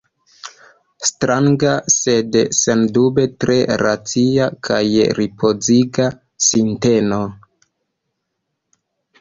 Stranga, sed sendube tre racia kaj ripoziga sinteno.